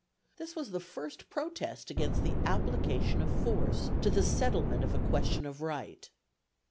This was the first protest against the application of force to the settlement of a question of right."